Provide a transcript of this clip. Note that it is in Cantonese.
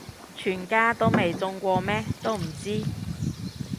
全家都未中過咩都唔知